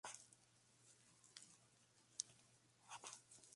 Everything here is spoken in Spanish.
En Londres permaneció durante dos años.